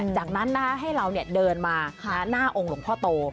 จากนั้นให้เราเดินมาหน้าองค์หลวงพ่อโต